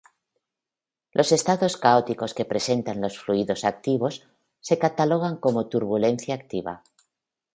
Los estados caóticos que presentan los fluidos activos se catalogan como turbulencia activa.